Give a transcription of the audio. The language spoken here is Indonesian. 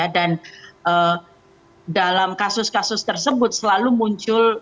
dan dalam kasus kasus tersebut selalu muncul